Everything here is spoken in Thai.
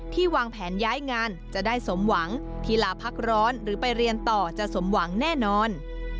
วางแผนย้ายงานจะได้สมหวังที่ลาพักร้อนหรือไปเรียนต่อจะสมหวังแน่นอน